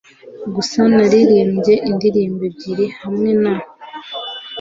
Gusa naririmbye indirimbo ebyiri hamwe na .